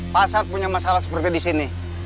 pasar punya masalah seperti disini